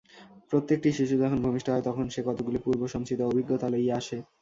প্রত্যেকটি শিশু যখন ভূমিষ্ঠ হয়, তখন সে কতকগুলি পূর্বসঞ্চিত অভিজ্ঞতা লইয়া আসে।